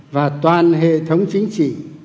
và toàn hệ thống chính trị